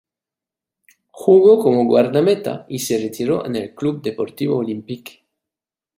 Jugó como guardameta y se retiró en el Club Deportivo Olímpic.